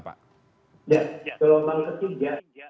ya gelombang ketiga